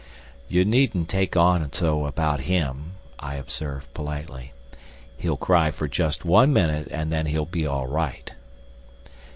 "You needn't take on so about him," I observed, politely. "He'll cry for just one minute, and then he'll be all right."